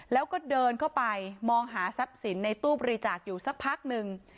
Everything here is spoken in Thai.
แล้วก็เดินเข้าไปมองหาทรัพย์สินในตู้บริจาคอยู่สักพักหนึ่ง